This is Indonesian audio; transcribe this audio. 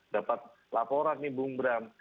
dapat laporan nih bung bram